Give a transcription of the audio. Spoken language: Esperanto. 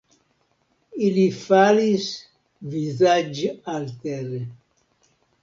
Ili falis vizaĝaltere.